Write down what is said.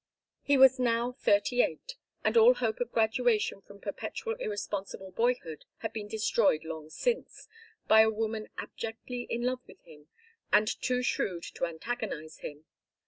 He was now thirty eight and all hope of graduation from perpetual irresponsible boyhood had been destroyed long since by a woman abjectly in love with him and too shrewd to antagonize him.